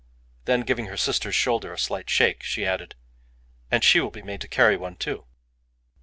Then, giving her sister's shoulder a slight shake, she added "And she will be made to carry one, too!"